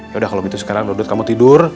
yaudah kalau begitu sekarang dodot kamu tidur